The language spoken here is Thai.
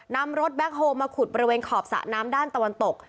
นำรถแบ็คโฮลมาขุดบริเวณขอบสระน้ำด้านตะวันตก